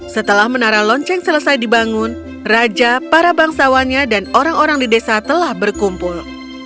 setelah menara lonceng selesai dibangun raja para bangsawannya dan orang orang di desa telah berkumpul